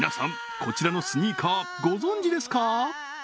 こちらのスニーカーご存じですか？